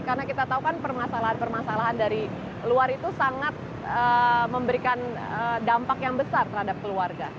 karena kita tahu kan permasalahan permasalahan dari luar itu sangat memberikan dampak yang besar terhadap keluarga